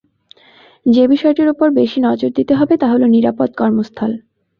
যে বিষয়টির ওপর বেশি নজর দিতে হবে তা হলো নিরাপদ কর্মস্থল।